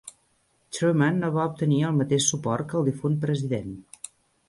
Truman no va obtenir el mateix suport que el difunt president.